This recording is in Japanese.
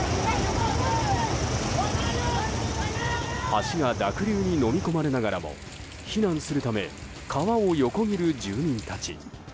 橋が濁流にのみ込まれながらも避難するため川を横切る住民たち。